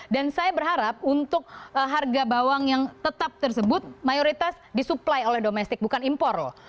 dan saya berharap untuk harga bawang yang tetap tersebut mayoritas disupply oleh domestik bukan impor loh